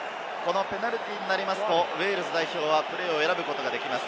ペナルティーになりますとウェールズ代表はプレーを選ぶことができます。